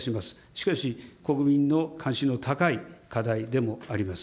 しかし、国民の関心の高い課題でもあります。